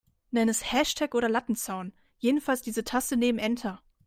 Nenn es Hashtag oder Lattenzaun, jedenfalls diese Taste neben Enter.